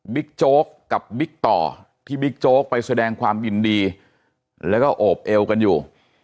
โจ๊กกับบิ๊กต่อที่บิ๊กโจ๊กไปแสดงความยินดีแล้วก็โอบเอวกันอยู่